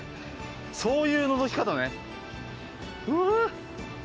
そういうのぞき方ね。